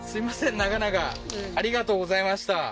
長々ありがとうございました